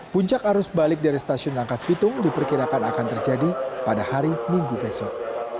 puncak arus balik dari stasiun rangkas bitung diperkirakan akan terjadi pada hari minggu besok